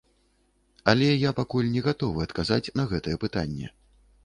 Але я пакуль не гатовы адказаць на гэтае пытанне.